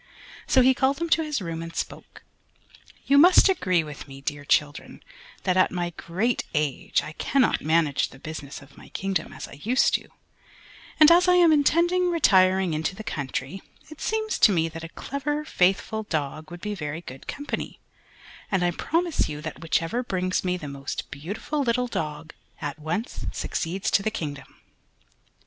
So he called them to his room and spoke: "You must agree with me, my dear children, that at my great age I cannot manage the business of my kingdom as I used to do, and as I am intending retiring into the country, it seems to me that a clever, faithful dog would be very good company, and I promise you that whichever brings me the most beautiful little dog at once succeeds to the kingdom."